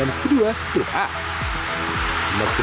dan tetap tertata dengan baik